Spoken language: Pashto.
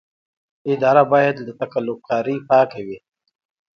اداره باید له تقلب کارۍ پاکه وي.